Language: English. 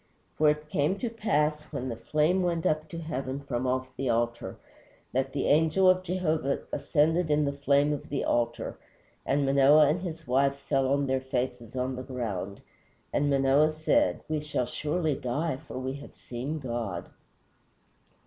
For it came to pass, when the flame went up to heaven from off the altar, that the angel of Jehovah ascended in the flame on the altar, and Manoah and his wife fell on their faces on the ground. And Manoah said, We shall surely die, for we have seen God."